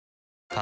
あ